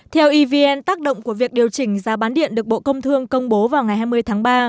theo evn tác động của việc điều chỉnh giá bán điện được bộ công thương công bố vào ngày hai mươi tháng ba